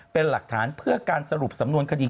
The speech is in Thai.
เป็นหลักฐานเพื่อการสรุปสำนวนคดี